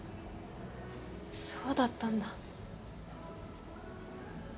そうだったんだ。